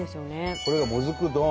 これがもずく丼。